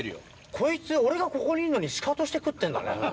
こいつ俺がここにいんのにシカトして食ってんだね。